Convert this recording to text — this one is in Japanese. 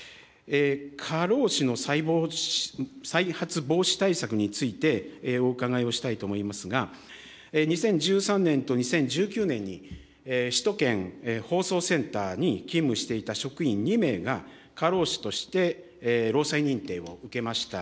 過労死の再発防止対策についてお伺いをしたいと思いますが、２０１３年と２０１９年に、首都圏放送センターに勤務していた職員２名が、過労死として労災認定を受けました。